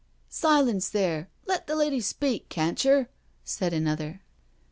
" Silence there— let the lady speak, cantcher," said another.